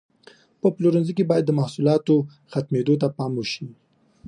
په پلورنځي کې باید د محصولاتو ختمېدو ته پام وشي.